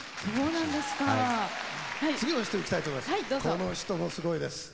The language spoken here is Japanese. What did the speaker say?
この人もすごいです。